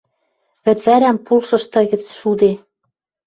Вӹдвӓрӓм пулшышты гӹц шуде.